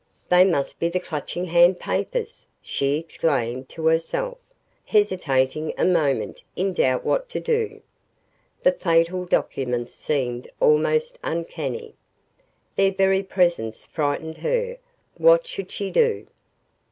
"They must be the Clutching Hand papers!" she exclaimed to herself, hesitating a moment in doubt what to do. The fatal documents seemed almost uncanny. Their very presence frightened her. What should she do?